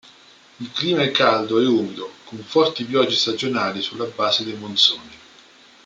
Il clima è caldo e umido, con forti piogge stagionali sulla base dei monsoni.